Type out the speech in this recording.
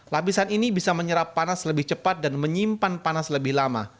lapisan ini bisa menyerap panas lebih cepat dan menyimpan panas lebih lama